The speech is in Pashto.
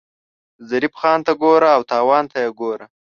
ظریف خان ته ګوره او تاوان ته یې ګوره.